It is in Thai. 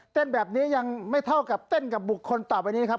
เต้นแบบนี้ยังไม่เท่ากับเต้นกับบุคคลต่อไปนี้ครับ